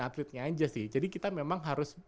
atletnya aja sih jadi kita memang harus